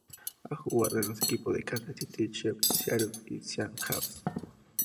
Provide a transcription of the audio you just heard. Ha jugado en los equipos Kansas City Chiefs y Seattle Seahawks.